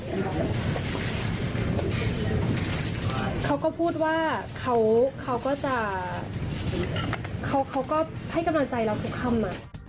เขาก็พูดว่าเขาก็จะเขาก็ให้กำลังใจเราทุกคำ